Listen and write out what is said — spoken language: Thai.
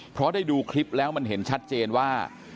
เพราะได้ดูคลิปแล้วมันเห็นชัดเจนว่า